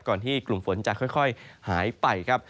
ที่กลุ่มฝนจะค่อยหายไปครับ